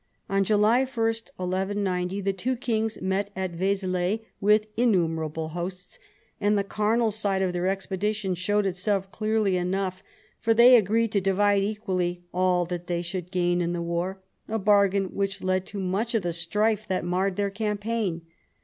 On 48 PHILIP AUGUSTUS July 1, 1190, the two kings met at Vezelai with "innumerable hosts," and the carnal side of their expedition showed itself clearly enough, for they agreed to divide equally all that they should gain in the war — a bargain which led to much of the strife that marred their campaign.